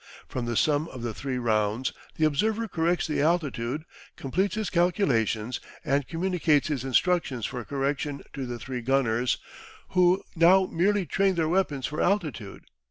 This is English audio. From the sum of the three rounds the observer corrects the altitude, completes his calculations, and communicates his instructions for correction to the three gunners, who now merely train their weapons for altitude.